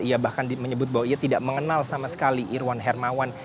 ia bahkan menyebut bahwa ia tidak mengenal sama sekali irwan hermawan